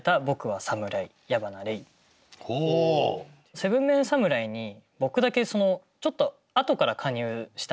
７ＭＥＮ侍に僕だけちょっと後から加入したんですよ。